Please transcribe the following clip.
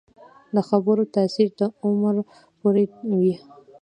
د خبرو تاثیر د عمر پورې وي